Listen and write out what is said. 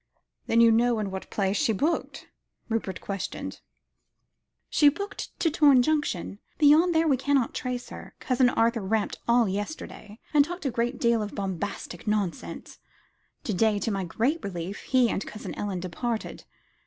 "Then you know to what place she booked?" Rupert questioned. "She booked to Torne Junction; beyond there we cannot trace her. Cousin Arthur ramped all yesterday, and talked a great deal of bombastic nonsense. To day, to my great relief, he and Cousin Ellen departed.